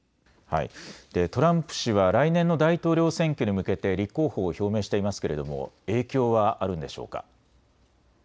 トランプ氏は来年の大統領選挙に向けて立候補を表明していますけれども影響はあるんでしょうか。